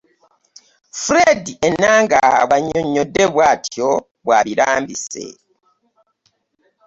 Fred Enanga bw'annyonnyodde bwatyo bw'abirambise.